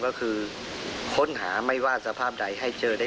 และกลับไปมีรายบันไดหลังไป